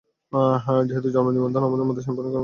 যেহেতু জন্মদিন, আমার মতে শ্যাম্পেনের কোনো একটা খাওয়া উচিত।